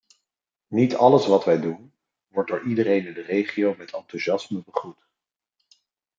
Niet alles wat wij doen wordt door iedereen in de regio met enthousiasme begroet.